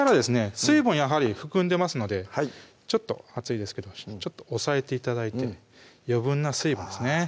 水分をやはり含んでますのでちょっと熱いですけど押さえて頂いて余分な水分ですね